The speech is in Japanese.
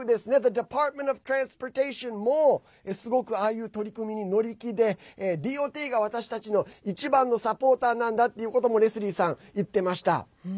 ＤｅｐａｒｔｍｅｎｔｏｆＴｒａｎｓｐｏｒｔａｉｏｎもすごく、ああいう取り組みに乗り気でＤＯＴが私たちの一番のサポーターなんだっていうこともレスリーさん、言ってました。